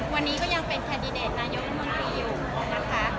วันนี้ก็ยังเป็นแคนดิเดตนายกรัฐมนตรีอยู่นะคะ